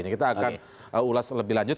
kita akan ulas lebih lanjut